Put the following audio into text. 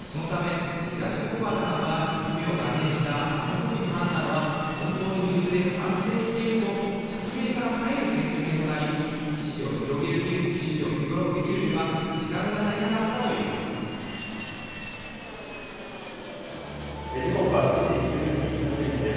そのため、東国原さんは、２期目を断念したあのときの判断は、本当に未熟で反省していると、釈明から入る選挙戦となり、支持を広げきるには時間が足りなかっ時刻は７時１２分、１分天気です。